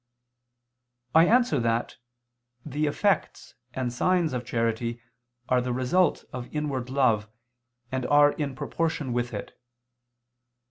I answer that, The effects and signs of charity are the result of inward love, and are in proportion with it.